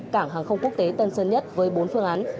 cảng hàng không quốc tế tân sơn nhất với bốn phương án